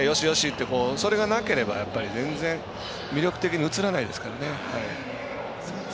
ってそれがなければ全然、魅力的に映らないですからね。